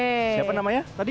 siapa namanya tadi